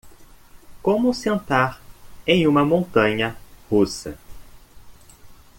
Como sentar em uma montanha russa